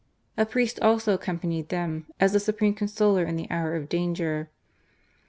A priest also accompanied them, as the supreme consoler in the hour of danger.